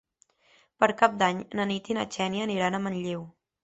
Per Cap d'Any na Nit i na Xènia aniran a Manlleu.